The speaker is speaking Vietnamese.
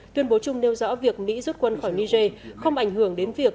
tuyên bố chung nêu rõ việc mỹ rút quân khỏi niger không ảnh hưởng đến việc